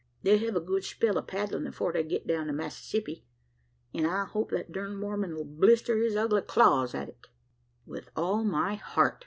The'll hev a good spell o' paddlin' afore they git down to Massissippy; an' I hope that durned Mormon 'll blister his ugly claws at it!" "With all my heart!"